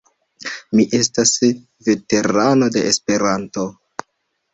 Mi estas veterano de Esperanto.